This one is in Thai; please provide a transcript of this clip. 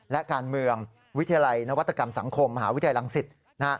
และการเมืองวิทยาลัยนวัตกรรมสังคมมหาวิทยาลัยลังศิษย์